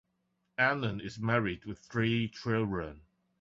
Annan is married with three children.